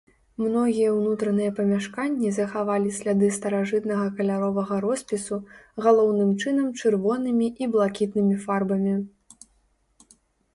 Многія ўнутраныя памяшканні захавалі сляды старажытнага каляровага роспісу, галоўным чынам чырвонымі і блакітнымі фарбамі.